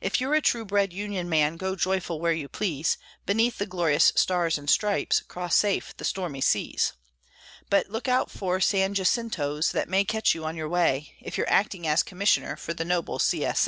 If you're a true bred Union man, go joyful where you please; Beneath the glorious Stars and Stripes cross safe the stormy seas; But look out for San Jacintos that may catch you on your way, If you're acting as Commissioner for the noble C. S.